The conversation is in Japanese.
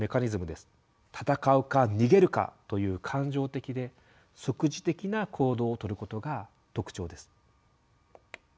「戦うか逃げるか」という感情的で即時的な行動をとることが特徴です。